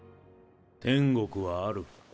天国はある。